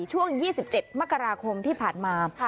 ช่วง๒๗มกราคมที่ผ่านมา